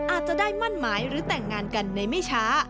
อาจจะได้มั่นหมายหรือแต่งงานกันในไม่ช้า